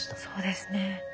そうですね。